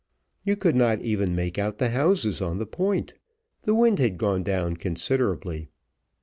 You could not even make out the houses on the point. The wind had gone down considerably.